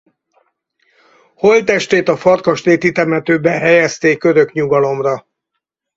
Holttestét a farkasréti temetőben helyezték örök nyugalomra.